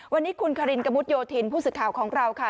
วันนี้คุณคารินกระมุดโยธินผู้สื่อข่าวของเราค่ะ